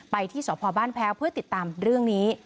ที่สพบ้านแพ้วเพื่อติดตามเรื่องนี้